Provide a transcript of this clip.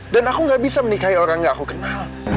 dan aku gak bisa menikahi orang gak aku kenal